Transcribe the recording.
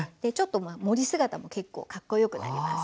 盛り姿も結構かっこよくなります。